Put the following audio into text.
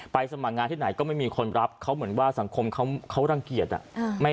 สมัครงานที่ไหนก็ไม่มีคนรับเขาเหมือนว่าสังคมเขารังเกียจ